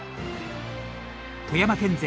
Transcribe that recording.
富山県勢